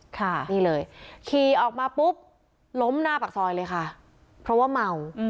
ค่ะนี่เลยขี่ออกมาปุ๊บล้มหน้าปากซอยเลยค่ะเพราะว่าเมา